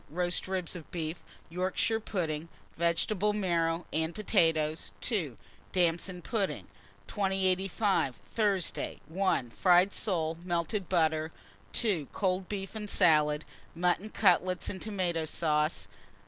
Roast ribs of beef, Yorkshire pudding, vegetable marrow, and potatoes. 2. Damson pudding. 2085. Thursday. 1. Fried soles, melted butter. 2. Cold beef and salad; mutton cutlets and tomata sauce.